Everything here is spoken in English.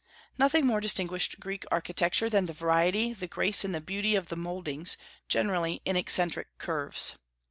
Nothing more distinguished Greek architecture than the variety, the grace, and the beauty of the mouldings, generally in eccentric curves.